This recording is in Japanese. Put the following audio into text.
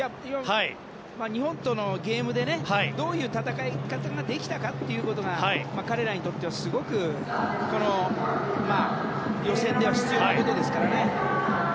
日本とのゲームでどういう戦い方ができたかということが彼らにとっては、すごく予選では必要なことですからね。